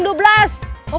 mau pulang subuh